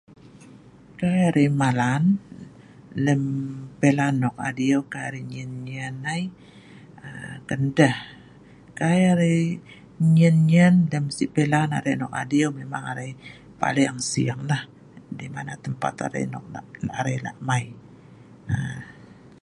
Kai arai malan lem si pilan nok adiu kai arai nyen-nyen ai, Ken ndeh? Kai arai nyen-nyen lem si pilan arai nok adiu memang arai paleng siing, dimana (dong pah) tempat(nan) arai lak mai.